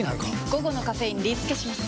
午後のカフェインリスケします！